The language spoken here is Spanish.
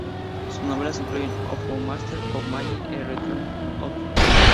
Sus novelas incluyen "O for a Master of Magic", "The Return of Mr.